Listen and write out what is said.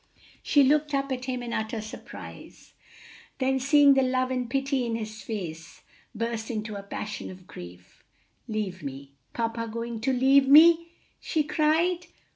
She looked up at him in utter surprise, then seeing the love and pity in his face, burst into a passion of grief. "Leave me! papa going to leave me!" she cried.